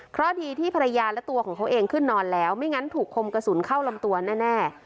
เพราะดีที่ภรรยาและตัวของเขาเองขึ้นนอนแล้วไม่งั้นถูกคมกระสุนเข้าลำตัวแน่